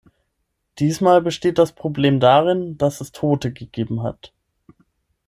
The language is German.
Diesmal besteht das Problem darin, dass es Tote gegeben hat.